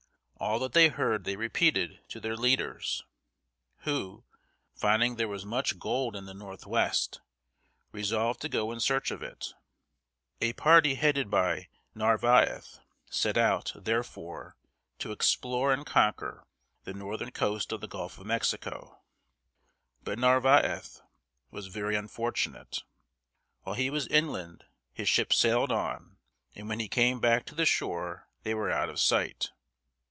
All that they heard they repeated to their leaders, who, finding there was much gold in the northwest, resolved to go in search of it. A party headed by Narvaez (nar vah´eth) set out, therefore, to explore and conquer the northern coast of the Gulf of Mexico. But Narvaez was very unfortunate. While he was inland his ships sailed on, and when he came back to the shore they were out of sight.